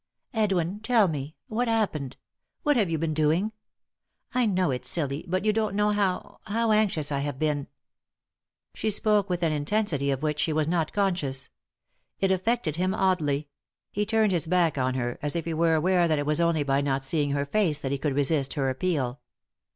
" Edwin, tell me I what's happened ? What have you been doing ? I know it's silly, but you don't know how — how anxious I have been." She spoke with an intensity of which she was not conscious. It affected him oddly ; he turned his back on her, as if he were aware that it was only by not see ing her face that he could resist her appeal.